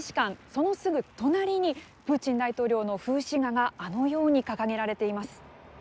そのすぐ隣にプーチン大統領の風刺画があのように掲げられています。